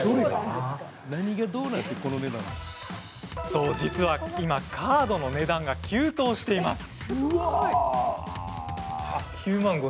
そう、実は今カードの値段が急騰しているんです。